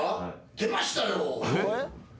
出ましたよ。